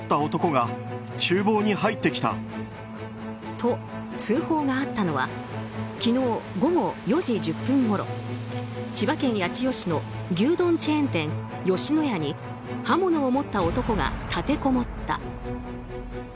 と、通報があったのは昨日午後４時１０分ごろ千葉県八千代市の牛丼チェーン店、吉野家に刃物を持った男が立てこもった。